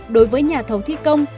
đối với nhà thầu thi công